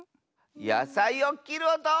やさいをきるおと！